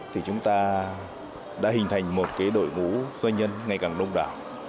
thì chúng ta đã hình thành một đội ngũ doanh nhân ngày càng đông đảo